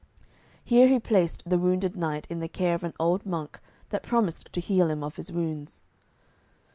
Here he placed the wounded knight in the care of an old monk, that promised to heal him of his wounds.